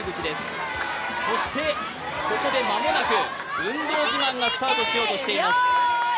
ここで間もなく運動自慢がスタートしようとしています。